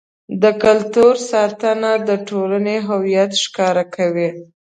د کلتور ساتنه د ټولنې هویت راښکاره کوي.